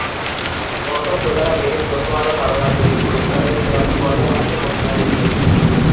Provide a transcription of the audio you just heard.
ভক্ত-শ্রোতারা মেরিল-প্রথম আলো তারকা জরিপ পুরস্কারের চূড়ান্ত পর্বে আমাকে মনোনয়ন দিয়েছেন।